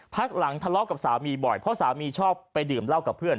พักหลังทะเลาะกับสามีบ่อยเพราะสามีชอบไปดื่มเหล้ากับเพื่อน